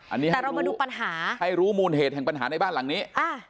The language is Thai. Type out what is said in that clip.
อันนี้ให้รู้มูลเหตุของปัญหาในบ้านหลังนี้